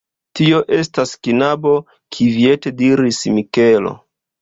Tio estas knabo, kviete diris Mikelo.